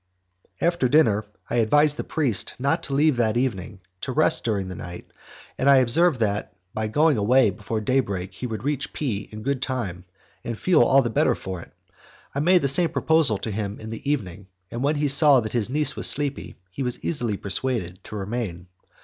After dinner, I advised the priest not to leave that evening, to rest during the night, and I observed that, by going away before day break, he would reach P in good time, and feel all the better for it. I made the same proposal to him in the evening, and when he saw that his niece was sleepy, he was easily persuaded to remain.